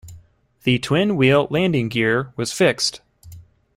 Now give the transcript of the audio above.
The twin-wheel landing gear was fixed.